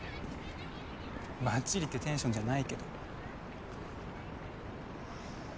バッチリってテンションじゃないけど？